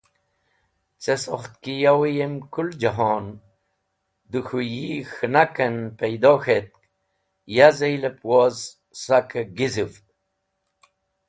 Ce sokht ki Yow-e yem kũl jahon dẽ K̃hũ yi K̃hẽnak en paydo k̃hetk, ya zelep woz sake gizũvd.